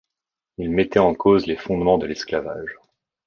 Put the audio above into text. Ils mettaient en cause les fondements de l'esclavage.